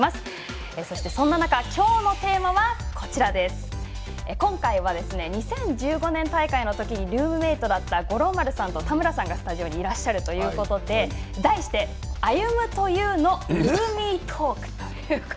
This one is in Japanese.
そして、そんな中今日のテーマは今回は２０１５年大会の時にルームメートだった五郎丸さんと田村さんがスタジオにいらっしゃるということで題して「歩と優のルーミートーク」ということで。